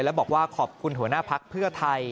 และบอกว่าขอบคุณหัวหน้าภักดิ์เพื่อไทย